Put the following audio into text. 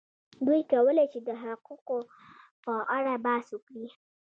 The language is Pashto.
دوی کولای شي د حقوقو په اړه بحث وکړي.